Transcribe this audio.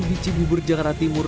bici bubur jakarta timur